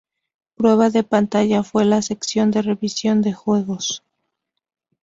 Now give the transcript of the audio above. Prueba de pantalla fue la sección de revisión de juegos.